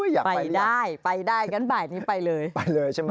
อยากไปหรือยังไปได้กันบะดินี้ไปเลยไปเลยใช่ไหม